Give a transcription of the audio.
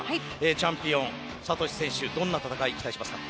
チャンピオン、サトシ選手にどんな戦いを期待しますか。